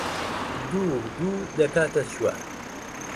دوو و دوو دەکاتە چوار